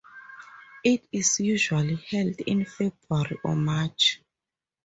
It is usually held in February or March.